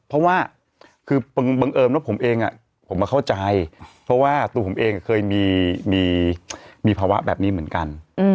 เพราะว่าคือบังเอิญว่าผมเองผมมาเข้าใจเพราะว่าตัวผมเองเคยมีภาวะแบบนี้เหมือนกัน